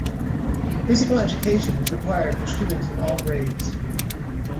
Physical education is required for students in all grades.